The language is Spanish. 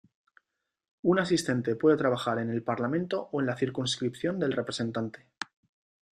Un asistente puede trabajar en el parlamento o en la circunscripción del representante.